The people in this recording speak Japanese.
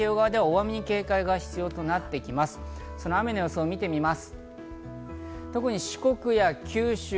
雨の予想を見てみます。